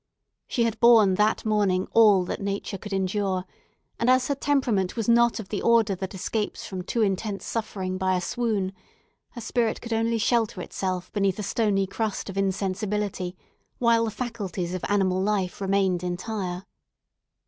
She had borne that morning all that nature could endure; and as her temperament was not of the order that escapes from too intense suffering by a swoon, her spirit could only shelter itself beneath a stony crust of insensibility, while the faculties of animal life remained entire.